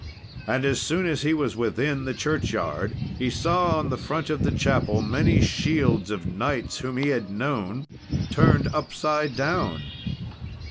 And as soon as he was within the churchyard, he saw on the front of the chapel many shields of knights whom he had known, turned upside down.